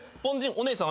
お姉さん。